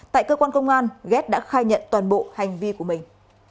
tại cơ quan công an ghét đã khai nhận toàn bộ hành vi của mình